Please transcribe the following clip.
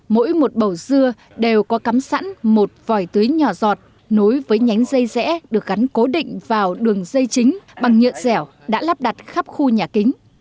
mỗi một bầu dưa đều có cắm sẵn một vòi tưới nhỏ giọt nối với nhánh dây rẽ được gắn cố định vào đường dây chính bằng nhựa dẻo đã lắp đặt khắp khu nhà kính